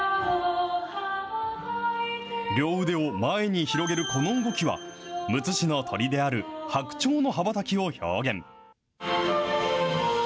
両腕を前に広げるこの動きは、むつ市の鳥である白鳥の羽ばたきを表現。